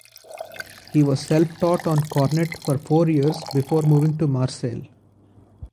He was self-taught on cornet for four years before moving to Marseille.